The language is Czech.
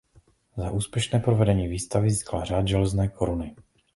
Za úspěšné provedení výstavy získal Řád železné koruny.